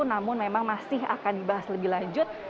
namun memang masih akan dibahas lebih lanjut